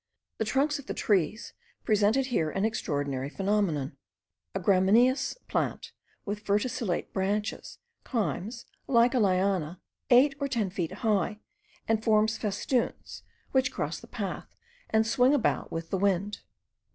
The trunks of the trees presented here an extraordinary phenomenon; a gramineous plant, with verticillate branches,* climbs, like a liana, eight or ten feet high, and forms festoons, which cross the path, and swing about with the wind.